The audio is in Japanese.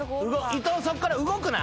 伊藤そっから動くな。